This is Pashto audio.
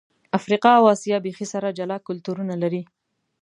افریقا او آسیا بیخي سره جلا کلتورونه لري.